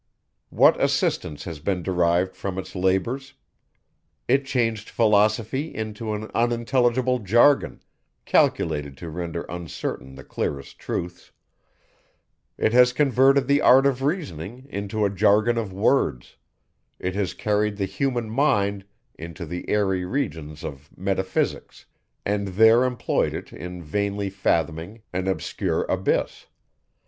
What assistance has been derived from its labours? It changed philosophy into an unintelligible jargon, calculated to render uncertain the clearest truths; it has converted the art of reasoning into a jargon of words; it has carried the human mind into the airy regions of metaphysics, and there employed it in vainly fathoming an obscure abyss.